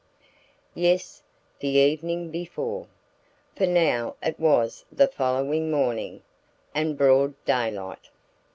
Yes; the evening before! For now it was the following morning and broad daylight.